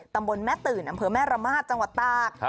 ตำบลแม่ตื่นอำเภอแม่ระมาทจังหวัดตาก